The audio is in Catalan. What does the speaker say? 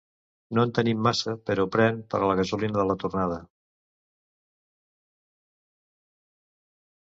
No en tenim massa, però pren, per a la gasolina de la tornada...